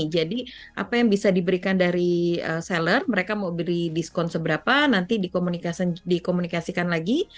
jadi apa yang bisa diberikan dari seller mereka mau beli diskon seberapa nanti dikomunikasikan lagi